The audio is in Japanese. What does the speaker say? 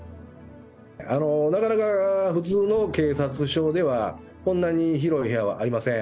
なかなか普通の警察署では、こんなに広い部屋はありません。